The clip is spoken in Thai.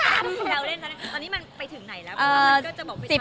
แล้วเล่นตอนนี้มันไปถึงไหนแล้ว